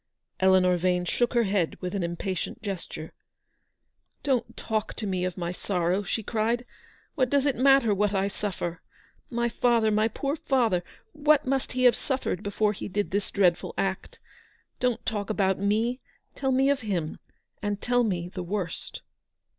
Eleanor Vane shook her head with an impatient gesture. " Don't talk to me of my sorrow," she cried, 166 ELEANOE 'S VICTORY. " what does it matter what I suffer ? My father, my poor father, what must he have suffered before he did this dreadful act ? Don't talk about me ; tell me of him, and tell me the worst."